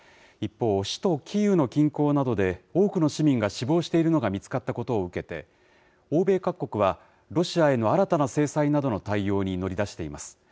一方、首都キーウの近郊などで、多くの市民が死亡しているのが見つかったことを受けて、欧米各国は、ロシアへの新たな制裁などの対応に乗り出しています。